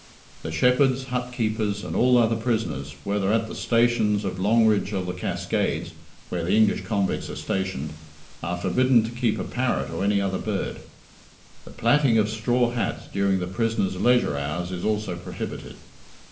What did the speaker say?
The shepherds, hut keepers, and all other prisoners, whether at the stations of Longridge or the Cascades (where the English convicts are stationed) are forbidden to keep a parrot or any other bird. The plaiting of straw hats during the prisoners' leisure hours is also prohibited.